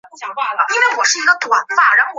愈南公家庙的历史年代为清代。